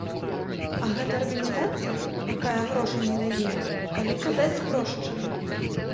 А гэта арганізацыя, якая грошай не дае, калі казаць спрошчана.